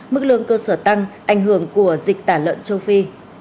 mức lương cơ sở tăng ảnh hưởng của dịch tả lợn châu phi